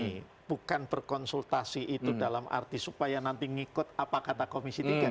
ini bukan berkonsultasi itu dalam arti supaya nanti ngikut apa kata komisi tiga